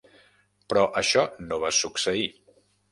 Però això no va succeir.